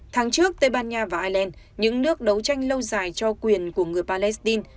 tháng trước tây ban nha và ireland những nước đấu tranh lâu dài cho quyền của người palestine